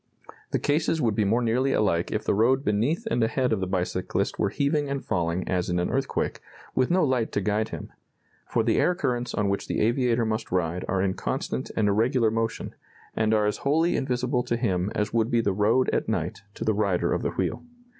The cases would be more nearly alike if the road beneath and ahead of the bicyclist were heaving and falling as in an earthquake, with no light to guide him; for the air currents on which the aviator must ride are in constant and irregular motion, and are as wholly invisible to him as would be the road at night to the rider of the wheel.